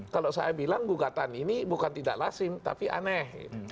kalau saya bilang gugatan ini bukan tidak lasim tapi aneh